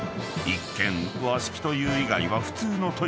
［一見和式という以外は］